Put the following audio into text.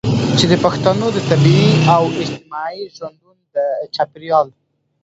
چې د پښتنو د طبیعي او اجتماعي ژوندون د چاپیریال